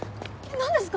何ですか？